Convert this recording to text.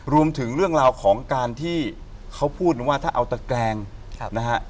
รวมถึงเรื่องราวของการที่เขาพูดว่าถ้าเอาตะแกรงนะฮะ